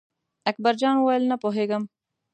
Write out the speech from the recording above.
اکبر جان وویل: نه پوهېږم.